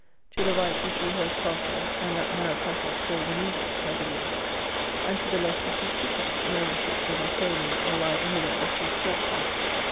To the right, you see Hurst castle, and that narrow passage called the Needles, I believe; and, to the left, you see Spithead, and all the ships that are sailing or lie anywhere opposite Portsmouth.